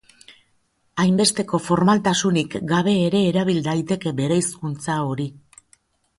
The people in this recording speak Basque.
Hainbesteko formaltasunik gabe ere erabil daiteke bereizkuntza hori.